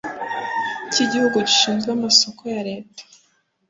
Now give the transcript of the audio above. k igihugu gishinzwe amasoko ya leta